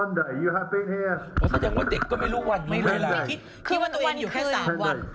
ไม่มีคิดคิดว่าตัวเองอยู่แค่๓วัน